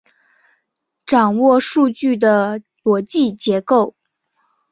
掌握数据的逻辑结构